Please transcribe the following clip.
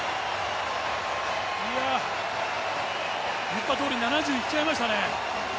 言ったとおり７０いっちゃいましたね。